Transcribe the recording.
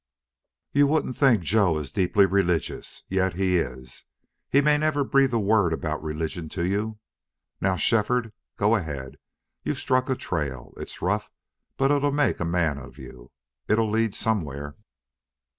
You wouldn't think Joe is deeply religious. Yet he is. He may never breathe a word about religion to you.... Now, Shefford, go ahead. You've struck a trail. It's rough, but it'll make a man of you. It'll lead somewhere."